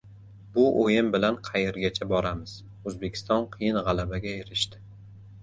Bu o‘yin bilan qayergacha boramiz? O‘zbekiston qiyin g‘alabaga erishdi